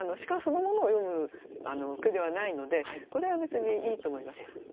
鹿そのものを詠む句ではないのでこれは別にいいと思います。